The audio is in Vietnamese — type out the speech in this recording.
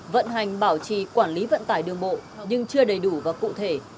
vận hành bảo trì quản lý vận tải đường bộ nhưng chưa đầy đủ và cụ thể